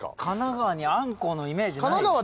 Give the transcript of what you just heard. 神奈川にあんこうのイメージない。